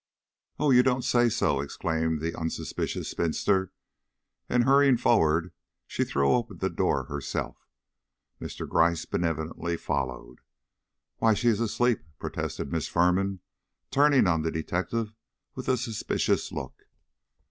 "Oh, you don't say so!" exclaimed the unsuspicious spinster, and hurrying forward, she threw open the door herself. Mr. Gryce benevolently followed. "Why, she is asleep," protested Miss Firman, turning on the detective with a suspicious look.